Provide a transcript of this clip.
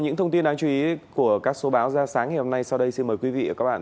những thông tin đáng chú ý của các số báo ra sáng ngày hôm nay sau đây xin mời quý vị và các bạn